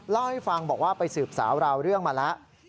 เล่าให้ฟังบอกว่าไปสืบสาวราวเรื่องมาแล้ว